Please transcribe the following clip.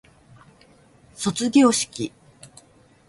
卒業式